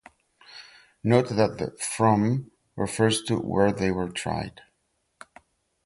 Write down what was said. Note that the "from" refers to where they were tried.